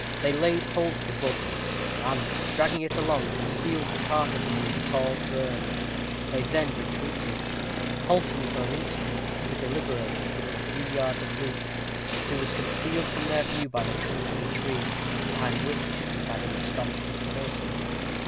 They laid hold of the buck, and, dragging it along, concealed the carcass among the tall fern; they then retreated, halting for an instant to deliberate, within a few yards of Luke, who was concealed from their view by the trunk of the tree, behind which he had ensconced his person.